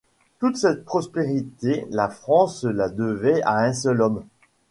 Toute cette prospérité, la France la devait à un seul homme.